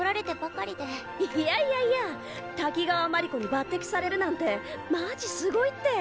いやいやいや滝川毬子に抜てきされるなんてマジすごいって！